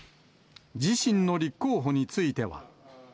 自身の立候補については。